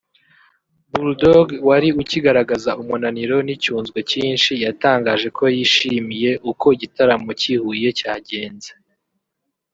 Bull Dogg wari ukigaragaza umunaniro n’icyunzwe cyinshi yatangaje ko yishimiye uko igitaramo cy’i Huye cyagenze